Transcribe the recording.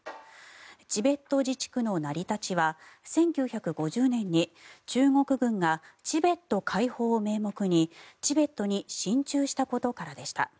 チベット自治区の成り立ちは１９５０年に中国軍がチベット解放を名目にチベットに進駐したことからでした。